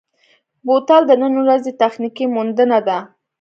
بوتل د نن ورځې تخنیکي موندنه ده.